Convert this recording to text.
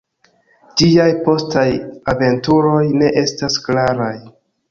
Ĝiaj postaj aventuroj ne estas klaraj.